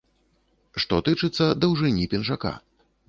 Што тычыцца даўжыні пінжака.